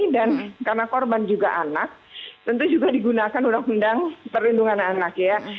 karena korban juga anak tentu juga digunakan undang undang perlindungan anak ya